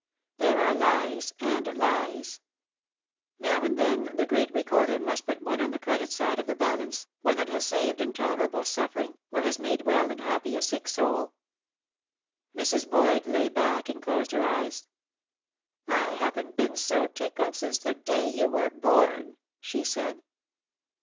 There are lies and lies. Now and then the Great Recorder must put one on the credit side of the balance, one that has saved intolerable suffering, or has made well and happy a sick soul. Mrs. Boyd lay back and closed her eyes. "I haven't been so tickled since the day you were born," she said.